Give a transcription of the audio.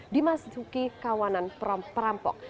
dimasuki kawanan perampok